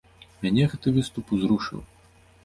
Мяне гэты выступ узрушыў!